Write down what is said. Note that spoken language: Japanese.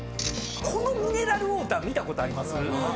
このミネラルウォーター見たことあります？